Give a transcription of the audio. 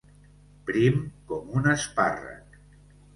Prim com un espàrrec.